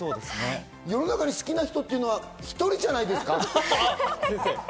世の中に好きな人って１人じゃないですか？